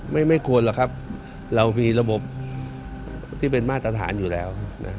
ไม่ควรหรอกครับเรามีระบบที่เป็นมาตรฐานอยู่แล้ว